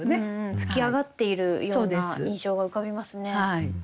噴き上がっているような印象が浮かびますね。